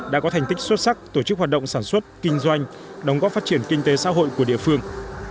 đã có thành tích xuất sắc tổ chức hoạt động sản xuất kinh doanh đóng góp phát triển kinh tế xã hội của địa phương